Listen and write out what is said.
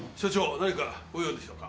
何かご用でしょうか？